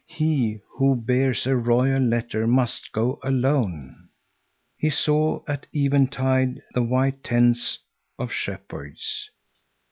He, who bears a royal letter, must go alone. He saw at eventide the white tents of shepherds.